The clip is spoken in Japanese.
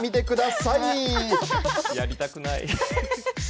やりたくない。